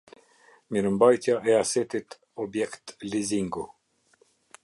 Mirëmbajtja e Asetit Objekt Lizingu.